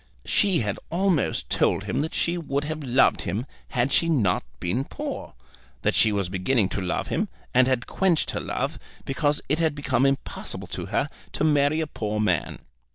She had almost told him that she would have loved him had she not been poor, that she was beginning to love him and had quenched her love, because it had become impossible to her to marry a poor man.